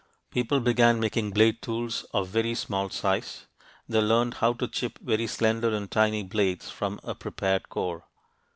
People began making blade tools of very small size. They learned how to chip very slender and tiny blades from a prepared core.